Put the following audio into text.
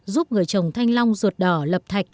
giúp người chồng thanh long ruột đỏ lập thạch